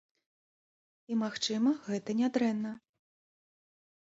І, магчыма, гэта нядрэнна.